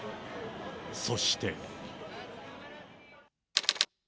そして。